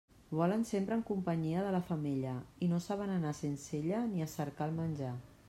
Volen sempre en companyia de la femella, i no saben anar sense ella ni a cercar el menjar.